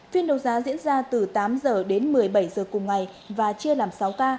phiên đấu giá diễn ra từ tám h đến một mươi bảy h cùng ngày và chia làm sáu k